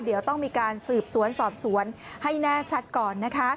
เดี๋ยวต้องมีการสืบสวนสอบสวนให้แน่ชัดก่อนนะคะ